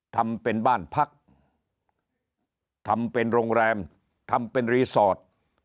ทำเป็นบ้านพักทำเป็นโรงแรมทำเป็นรีสอร์ท